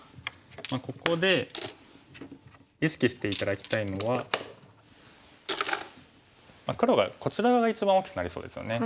ここで意識して頂きたいのは黒がこちら側が一番大きくなりそうですよね。